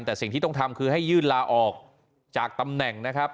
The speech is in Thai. แต่สิ่งที่ต้องทำคือให้ยื่นลาออกจากตำแหน่งนะครับ